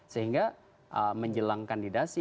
sehingga menjelang kandidasi